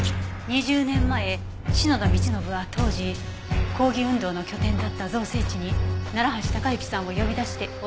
２０年前篠田道信は当時抗議運動の拠点だった造成地に楢橋高行さんを呼び出して脅そうとした。